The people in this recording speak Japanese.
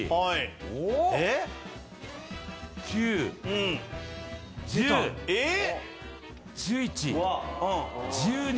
９１０１１１２１３。